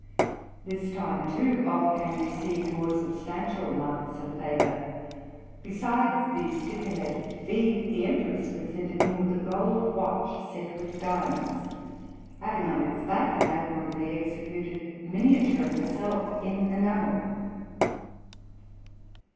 This time, too, Wolfgang received more substantial marks of favour; besides the stipulated fee, the Empress presented him with a gold watch set with diamonds, having on its back an admirably executed miniature of herself in enamel.